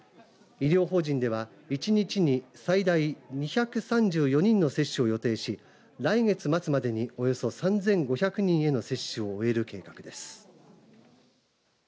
医療法人では１日に最大２３４人の接種を予定し来月末までにおよそ３５００人への接種を終える計画です。